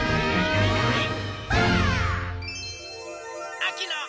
あきの。